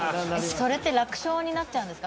それは楽勝になっちゃうんですか。